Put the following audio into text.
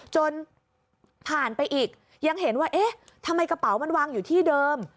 จนผ่านไปอีกยังเห็นว่าเอ๊ะทำไมกระเป๋ามันวางอยู่ที่เดิม